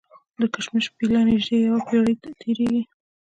د کشمش پیله نژدې یوه پېړۍ تېرېږي.